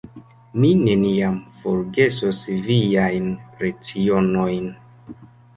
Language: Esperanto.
Mi neniam forgesos viajn lecionojn.